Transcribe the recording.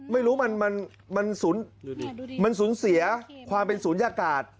ไม่รู้มันสูญเสียความเป็นศูนยากาศ